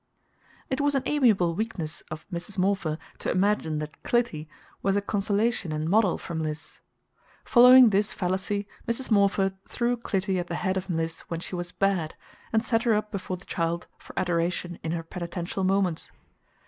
It was an amiable weakness of Mrs. Morpher to imagine that "Clytie" was a consolation and model for Mliss. Following this fallacy, Mrs. Morpher threw Clytie at the head of Mliss when she was "bad," and set her up before the child for adoration in her penitential moments.